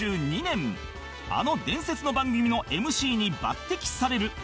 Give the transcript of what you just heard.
あの伝説の番組の ＭＣ に抜擢される